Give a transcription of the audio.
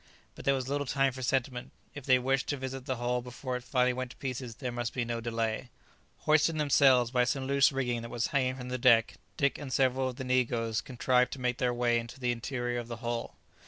But there was little time for sentiment. If they wished to visit the hull before it finally went to pieces there must be no delay. Hoisting themselves by some loose rigging that was hanging from the deck, Dick and several of the negroes contrived to make their way into the interior of the hull.